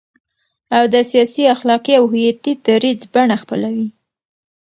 او د سیاسي، اخلاقي او هویتي دریځ بڼه خپلوي،